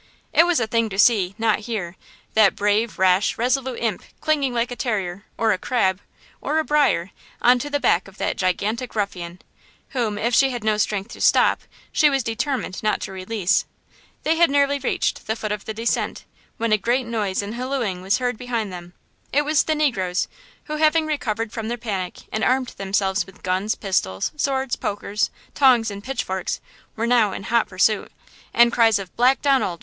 It was a "thing to see, not hear "–that brave, rash, resolute imp clinging like a terrier, or a crab, or a briar, on to the back of that gigantic ruffian, whom, if she had no strength to stop, she was determined not to release. They had nearly reached the foot of the descent, when a great noise and hallooing was heard behind them. It was the negroes, who, having recovered from their panic, and armed themselves with guns, pistols, swords, pokers, tongs and pitchforks, were now in hot pursuit! And cries of "Black Donald!